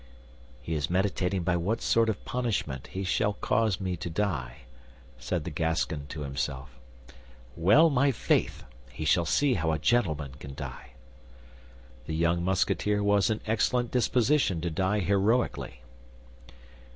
"He is meditating by what sort of punishment he shall cause me to die," said the Gascon to himself. "Well, my faith! he shall see how a gentleman can die." The young Musketeer was in excellent disposition to die heroically.